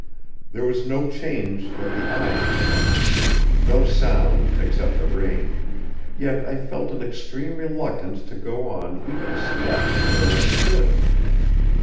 There was no change that the eye could find, no sound except the rain, yet I felt an extreme reluctance to go on even a step from where I stood.